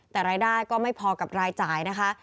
แต่รายได้ก็ไม่พอกับรายจ่ายนะคะ